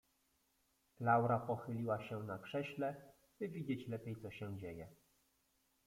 Laura pochyliła się na krześle, by widzieć lepiej, co się dzieje.